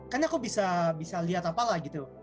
kan aku bisa lihat apalah gitu